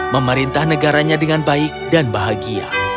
memerintah negaranya dengan baik dan bahagia